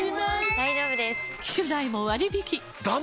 大丈夫です！